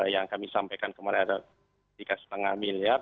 yang kami sampaikan kemarin ada tiga lima miliar